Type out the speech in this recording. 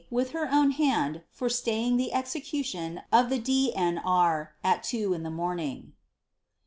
with her own hand, for staying of the execntioa of the D. N. R. at 2 in the rooming.